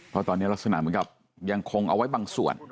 เพราะตอนนี้ลักษณะเหมือนกับยังคงเอาไว้บางส่วน